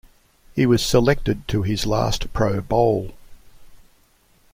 He was selected to his last Pro Bowl.